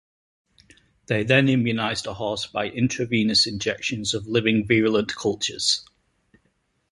They then immunised a horse by intravenous injections of living virulent cultures.